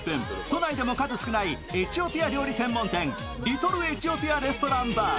都内でも数少ないエチオピア料理専門店リトルエチオピアレストランバー。